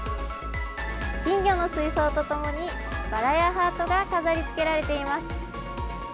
金魚の水槽とともに、バラやハートが飾りつけられています。